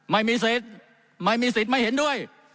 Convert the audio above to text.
ไม่มีสิทธิ์ไม่มีสิทธิ์ไม่เห็นด้วย